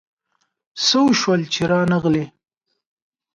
څه وشول چي رانغلې ؟